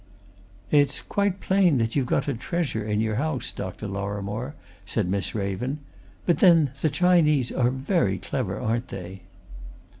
"It's quite plain that you've got a treasure in your house, Dr. Lorrimore," said Miss Raven. "But then, the Chinese are very clever, aren't they?"